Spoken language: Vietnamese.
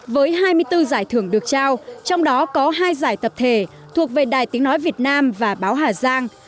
với hai mươi bốn giải thưởng được trao trong đó có hai giải tập thể thuộc về đài tiếng nói việt nam và báo hà giang